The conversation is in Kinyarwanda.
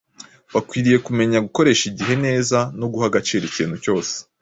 Bakwiriye kumenya gukoresha igihe neza no guha agaciro ikintu cyose.